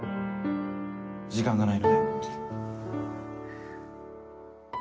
時間がないので。